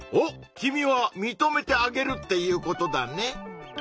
君はみとめてあげるっていうことだね！